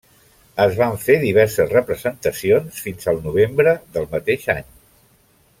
Es van fer diverses representacions fins al novembre del mateix any.